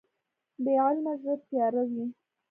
بې علمه زړه تیاره وي.